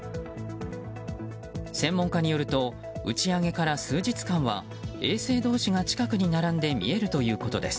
専門家によると打ち上げから数日間は衛星同士が近くに並んで見えるということです。